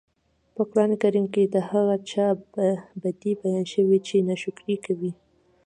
په قران کي د هغه چا بدي بيان شوي چې ناشکري کوي